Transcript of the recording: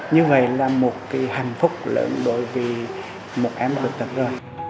như vậy là một cái hạnh phúc lớn bởi vì một em vượt thật rơi